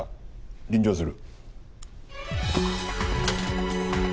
臨場する。